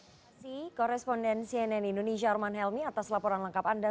terima kasih koresponden cnn indonesia arman helmi atas laporan lengkap anda